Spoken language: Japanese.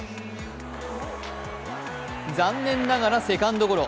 残念ながらセカンドゴロ。